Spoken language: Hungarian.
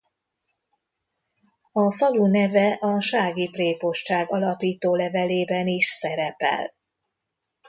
A falu neve a sági prépostság alapítólevelében is szerepel.